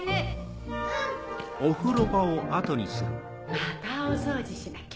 またお掃除しなきゃ。